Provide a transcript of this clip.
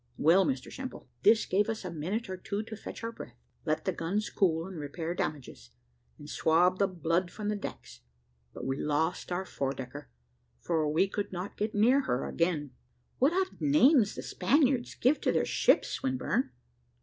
Well, Mr Simple, this gave us a minute or two to fetch our breath, let the guns cool, and repair damages, and swab the blood from the decks; but we lost our four decker, for we could not get near her again." "What odd names the Spaniards give to their ships, Swinburne!"